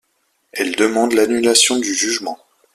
Elles demandent l'annulation du jugement.